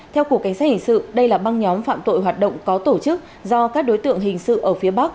theo cục cảnh sát hình sự đây là băng nhóm phạm tội hoạt động có tổ chức do các đối tượng hình sự ở phía bắc